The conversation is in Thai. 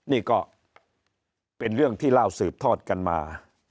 นี่ก็เป็นเรื่องที่เล่าสืบทอดกันมา